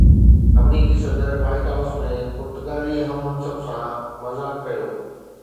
آمريڪي صدر White House ۾ پرتگالي هم منصب سان مذاق ڪيو